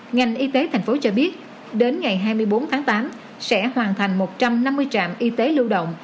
ngành y tế tp hcm cho biết đến ngày hai mươi bốn tháng tám sẽ hoàn thành một trăm năm mươi trạm y tế lưu động